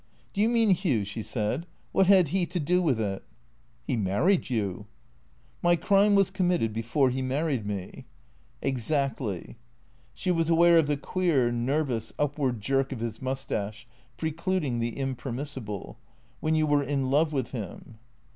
" Do you mean Hugh ?" she said. " What had he to do with it?" " He married you." " My crime was committed before he married me." THE CEEATOPtS 291 "Exactly/' She was aware of the queer, nervous, upward jerk of his moustache, precluding the impermissible — "When you were in love with him."